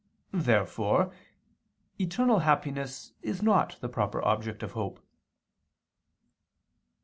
Therefore eternal happiness is not the proper object of hope.